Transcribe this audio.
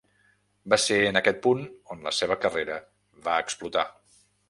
Va ser en aquest punt on la seva carrera va explotar.